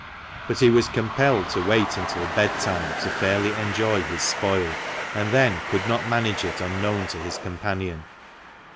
But he was compelled to wait until bedtime to fairly enjoy his spoil, and then could not manage it unknown to his companion.